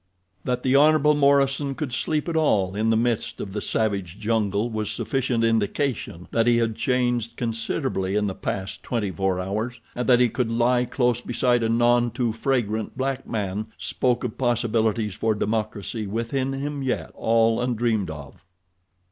That the Hon. Morison could sleep at all in the midst of the savage jungle was sufficient indication that he had changed considerably in the past twenty four hours, and that he could lie close beside a none too fragrant black man spoke of possibilities for democracy within him yet all undreamed of.